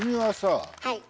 はい。